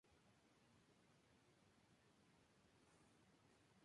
Aecio creció en situación de pobreza o de esclavitud.